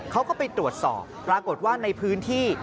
เขาก็ไปตรวจสอบปรากฏว่าในพื้นที่